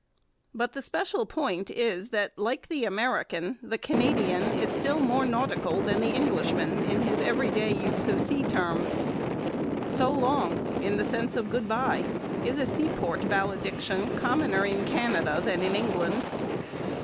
But the special point is that, like the American, the Canadian is still more nautical than the Englishman in his everyday use of sea terms. 'So long!' in the sense of good bye is a seaport valediction commoner in Canada than in England.